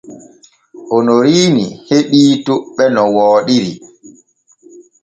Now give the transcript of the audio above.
Onoriini heɓii toɓɓe no wooɗiri.